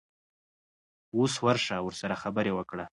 اوس ورشه ورسره خبرې وکړه.